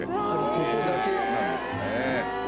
ここだけなんですね。